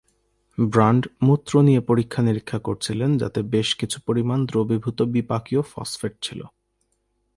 Brand মূত্র নিয়ে পরীক্ষা-নিরীক্ষা করছিলেন, যাতে বেশ কিছু পরিমাণ দ্রবীভূত বিপাকীয় ফসফেট ছিল।